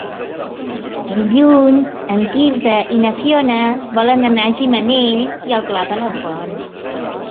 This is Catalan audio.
Dilluns en Quirze i na Fiona volen anar a Gimenells i el Pla de la Font.